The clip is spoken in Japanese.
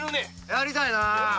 やりたいな！